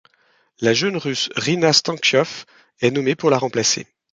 La jeune russe Reena Stancioff est nommée pour la remplacer.